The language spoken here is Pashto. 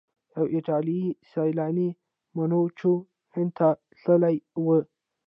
یو ایټالیایی سیلانی منوچي هند ته تللی و.